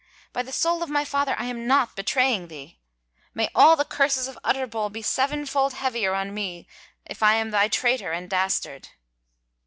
By the soul of my father I am not bewraying thee. May all the curses of Utterbol be sevenfold heavier on me if I am thy traitor and dastard."